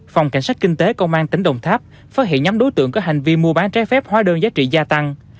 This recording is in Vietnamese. phòng cảnh sát kinh tế công an tỉnh đồng tháp phát hiện nhóm đối tượng có hành vi mua bán trái phép hóa đơn giá trị gia tăng